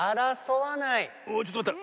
おっちょっとまった。